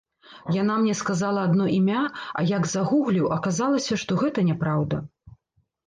Яна мне сказала адно імя, а як загугліў, аказалася, што гэта няпраўда.